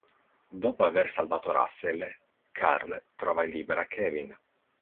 Dopo aver salvato Russell, Carl trova e libera Kevin.